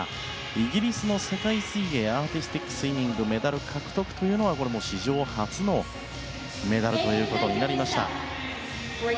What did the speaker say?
イギリスの世界水泳アーティスティックスイミングメダル獲得というのは史上初のメダルということになりました。